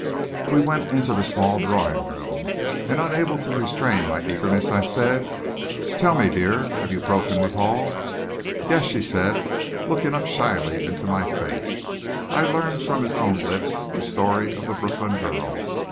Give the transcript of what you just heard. We went into the small drawing room, and, unable to restrain my eagerness, I said, "Tell me, dear, have you broken with Hall?" "Yes," she said, looking up shyly into my face. "I learned from his own lips the story of the Brooklyn girl.